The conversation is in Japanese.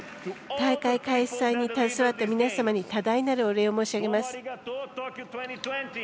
大会開催に携わった皆様に多大なるお礼を申し上げます。